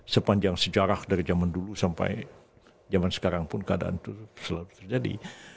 sepanjang sejarah dari zaman dulu sampai zaman sekarang pun keadaan itu selalu terjadi